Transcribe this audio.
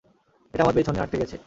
এটা আমার পেছনে আটকে গেছে।